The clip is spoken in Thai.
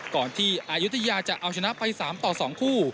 ก่อนที่อายุทยาจะเอาชนะไป๓ต่อ๒คู่